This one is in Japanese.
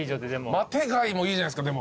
マテガイもいいじゃないですかでも。